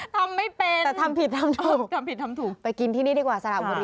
ดีนะ